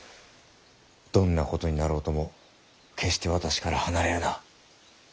どんなことになろうとも決して私から離れるな。